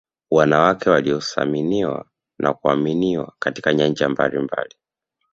wanawake wanasaminiwa na kuaminiwa katika nyanja mbalimbali